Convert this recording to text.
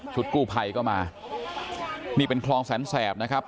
กู้ภัยก็มานี่เป็นคลองแสนแสบนะครับ